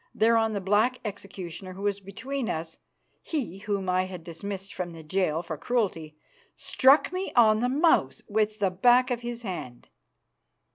Thereon the black executioner who was between us, he whom I had dismissed from the jail for cruelty, struck me on the mouth with the back of his hand.